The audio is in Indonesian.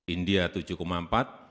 india tujuh empat persen